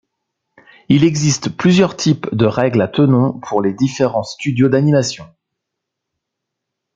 Il existe plusieurs types de règles à tenons pour les différents studios d'animation.